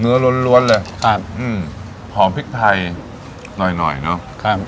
ล้วนล้วนเลยครับอืมหอมพริกไทยหน่อยหน่อยเนอะครับ